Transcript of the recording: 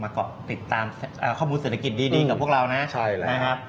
เกาะติดตามข้อมูลเศรษฐกิจดีกับพวกเรานะครับ